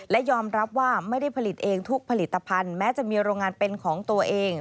และยอมรับว่าไม่ได้ผลิตเองทุกผลิตภัณฑ์แม้จะมีโรงงานเป็นของตัวเอง